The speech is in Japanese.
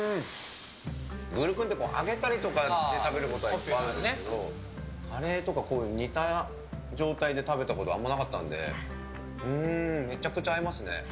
グルクンって揚げたりして食べることはいっぱいあるんですけどカレーとか、こういう煮た状態で食べたことあんまりなかったのでめちゃくちゃ合いますね。